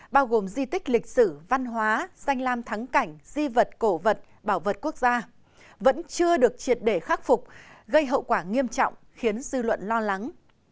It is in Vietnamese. bao gồm di tích lịch sử văn hóa danh lam thắng cảnh di vật cổ vật bảo vật quốc gia vẫn chưa được triệt để khắc phục gây hậu quả nghiêm trọng khiến dư luận lo lắng